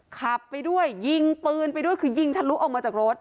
ขับไปด้วยยิงปืนไปด้วยคือยิงทะลุออกมาจากรถ